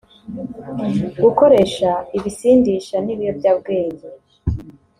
gukoresha ibisindisha n’ibiyobyabwenge